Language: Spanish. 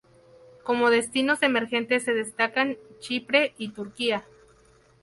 Como destinos emergentes se destacan Chipre y Turquía.